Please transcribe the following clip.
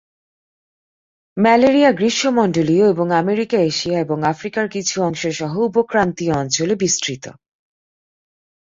Malaria গ্রীষ্মমন্ডলীয় এবং America, Asia এবং আফ্রিকার কিছু অংশ সহ উপ-ক্রান্তীয় অঞ্চলে বিস্তৃত।